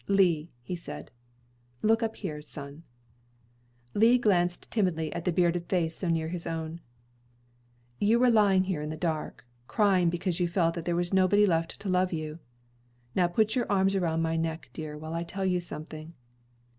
"Lee," he said, "look up here, son." Lee glanced timidly at the bearded face so near his own. "You were lying here in the dark, crying because you felt that there was nobody left to love you. Now put your arms around my neck, dear, while I tell you something.